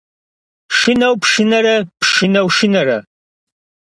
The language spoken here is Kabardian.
Шынэу пшынарэ, пшынэу шынарэ.